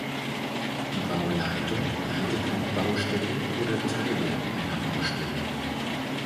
Die Bauleitung leitet eine Baustelle oder Teile einer Baustelle.